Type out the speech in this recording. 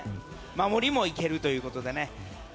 守りもいけるということでね。